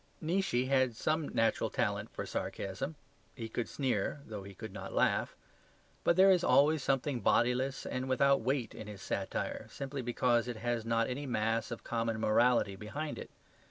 Nietzsche had some natural talent for sarcasm: he could sneer, though he could not laugh; but there is always something bodiless and without weight in his satire, simply because it has not any mass of common morality behind it.